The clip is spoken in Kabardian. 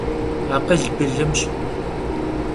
Akhıl bılımş.